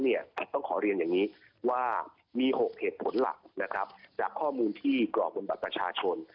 แต่ต้องขอเรียนอย่างนี้ว่ามี๖เหตุผลหลักจากข้อมูลที่กรอกบนบัตรประชาชน